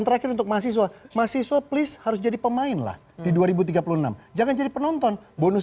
terakhir untuk mahasiswa mahasiswa please harus jadi pemainlah di dua ribu tiga puluh enam jangan jadi penonton bonus